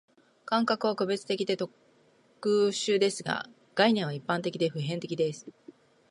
感覚は個別的で特殊ですが、概念は一般的で普遍的です。